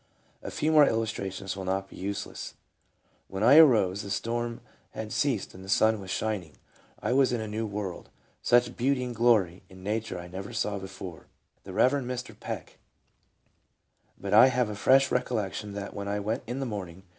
A few more illustrations will not be useless :" When I arose the storm had ceased and the sun was shining. I was in a new world! Such beauty and glory in nature I never saw before! ..."— The Eev. Mr. Peck. " But I have a fresh recollec tion that when I went in the morning